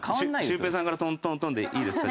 シュウペイさんからトントントンでいいですか？